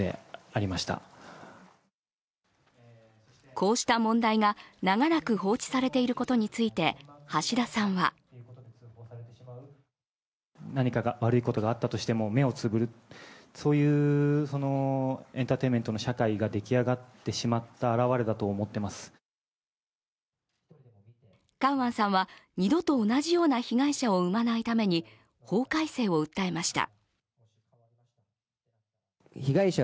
こうした問題が長らく放置されていることについて橋田さんはカウアンさんは、二度と同じような被害者を生まないために法改正を訴えました。